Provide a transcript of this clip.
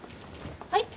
はい？